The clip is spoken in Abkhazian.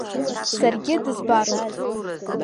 Саргьы дызбароуп…